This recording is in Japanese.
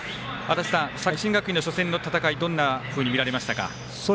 作新学院の初戦の戦いはどんなふうに見られましたか。